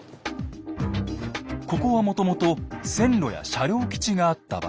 ここはもともと線路や車両基地があった場所。